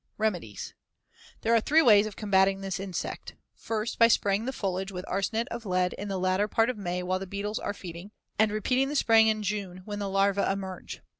Remedies: There are three ways of combating this insect: First, by spraying the foliage with arsenate of lead in the latter part of May while the beetles are feeding, and repeating the spraying in June when the larvae emerge.